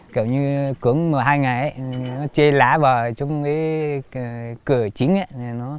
kiểu như cưỡng mùa hai ngày ấy nó chê lá vào trong cái cửa chính ấy